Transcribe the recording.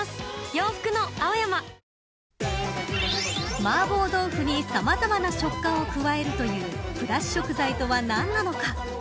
マーボー豆腐にさまざまな食感を加えるというプラス食材とは何なのか。